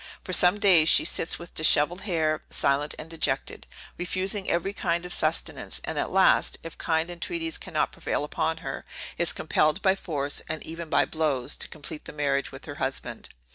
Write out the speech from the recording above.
For some days she sits with dishevelled hair, silent and dejected, refusing every kind of sustenance, and at last, if kind entreaties cannot prevail upon her, is compelled by force, and even by blows, to complete the marriage with her husband.